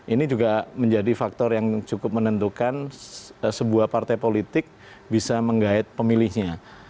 ini juga menjadi faktor yang cukup menentukan sebuah partai politik bisa menggait pemilihnya